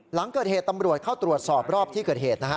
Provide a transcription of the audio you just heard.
หลังเกิดเหตุตำรวจเข้าตรวจสอบรอบที่เกิดเหตุนะฮะ